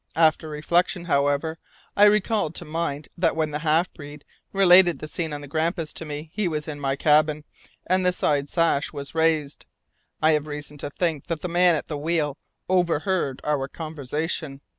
After reflection, however, I recalled to mind that when the half breed related the scene on the Grampus to me, he was in my cabin, and the side sash was raised. I have reason to think that the man at the wheel overheard our conversation.